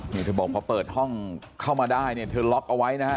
นี่เธอบอกพอเปิดห้องเข้ามาได้เนี่ยเธอล็อกเอาไว้นะฮะ